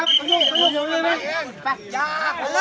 พ่อหนูเป็นใคร